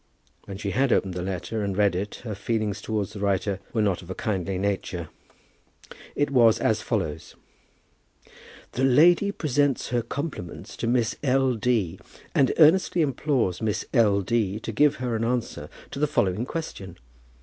When she had opened the letter and read it, her feelings towards the writer were not of a kindly nature. It was as follows: "A lady presents her compliments to Miss L. D., and earnestly implores Miss L. D. to give her an answer to the following question.